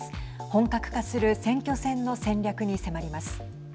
本格化する選挙戦の戦略に迫ります。